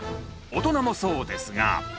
大人もそうですが。